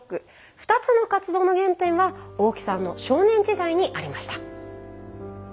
２つの活動の原点は大木さんの少年時代にありました。